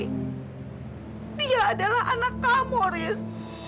riz dia adalah anak kamu riz